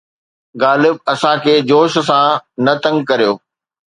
غالب! اسان کي جوش سان نه تنگ ڪريو